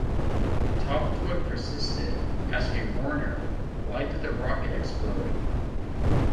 Toftoy persisted, asking Werner, why did the rocket explode?